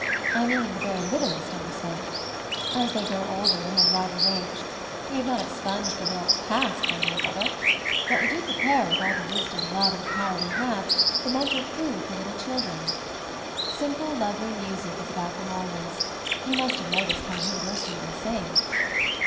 I mean the very littlest, understand. As they grow older they have wider range; we have not ex punged the world's past, my dear brother 1 But we do prepare with all the wisdom, love, and power we have, the mental food for lit MOVING\ THE MOUNTAIN 207 tie children. Simple, lovely music is about them always — you must have noticed how universally they sing?"